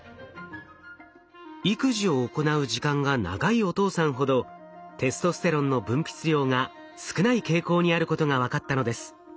育児を行う時間が長いお父さんほどテストステロンの分泌量が少ない傾向にあることが分かったのです。